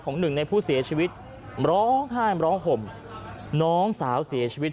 หนึ่งในผู้เสียชีวิตร้องไห้ร้องห่มน้องสาวเสียชีวิต